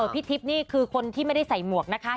พี่ทิพย์นี่คือคนที่ไม่ได้ใส่หมวกนะคะ